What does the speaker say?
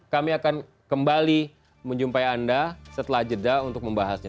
kami akan kembali menjumpai anda setelah jeda untuk membahasnya